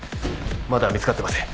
まだ見つかってません。